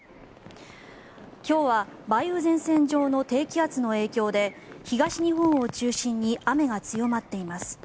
今日は梅雨前線上の低気圧の影響で東日本を中心に雨が強まっています。